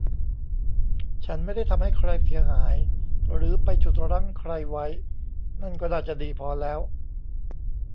ฉันไม่ได้ทำให้ใครเสียหายหรือไปฉุดรั้งใครไว้ นั่นก็น่าจะดีพอแล้ว